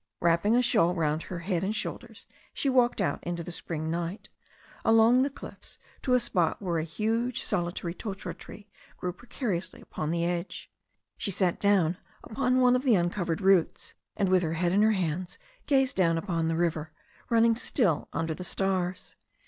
Wrapping a shawl round her head and shoulders, she walked out into the spring night, along the cliffs to a spot where a huge solitary totara tree grew precariously upon the edge. She sat down upon one of the uncovered roots, and with her head in her hands gazed down upon the river, run ning still under the stars.